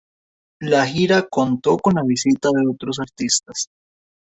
La gira contó con la visita de otros artistas.